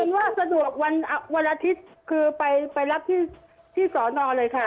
เอาเป็นว่าสะดวกวันวันอาทิตย์คือไปไปรับที่ที่สอนอนเลยค่ะ